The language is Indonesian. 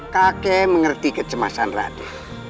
kakek mengerti kecemasan raden